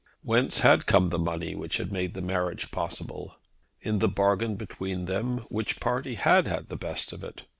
Whence had come the money which had made the marriage possible? In the bargain between them which party had had the best of it?